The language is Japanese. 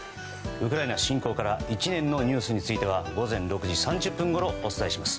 ウクライナ侵攻から１年のニュースについては午前６時３０分ごろお伝えします。